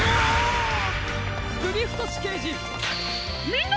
みんな！